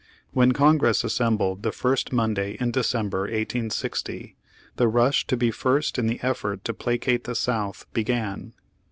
When Congress assembled the first Monday in December, 1860, the rush to be first in the effort to placate the South began.